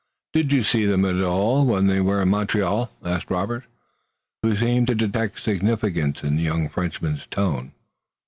"Did you see them at all while they were in Montreal?" asked Robert, who seemed to detect significance in the young Frenchman's tone.